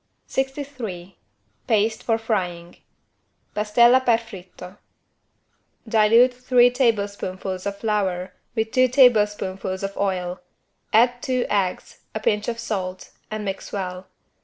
63 PASTE FOR FRYING (Pastella per fritto) Dilute three teaspoonfuls of flour with two teaspoonfuls of oil. Add two eggs, a pinch of salt, and mix well.